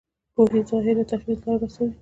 پوهې ظاهري تقلید لاره ورسوي.